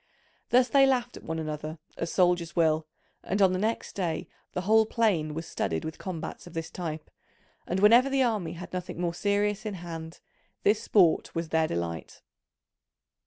Thus they laughed at one another as soldiers will; and on the next day the whole plain was studded with combats of this type, and whenever the army had nothing more serious in hand, this sport was their delight.